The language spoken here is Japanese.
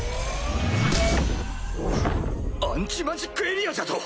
アンチマジックエリアじゃと⁉